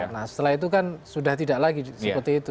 nah setelah itu kan sudah tidak lagi seperti itu